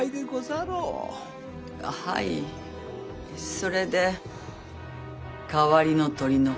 それで代わりの鳥のほうは。